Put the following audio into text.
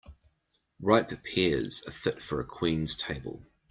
Ripe pears are fit for a queen's table.